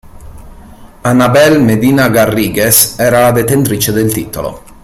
Anabel Medina Garrigues era la detentrice del titolo.